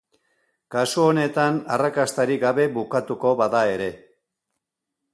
Kasu honetan arrakastarik gabe bukatuko bada ere.